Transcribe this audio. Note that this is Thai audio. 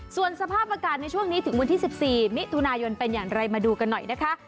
ส่วนสภาพอากาศในช่วงนี้ถึงวันที่๑๔มิถุนายนเป็นอย่างไรมาดูกันหน่อยนะคะ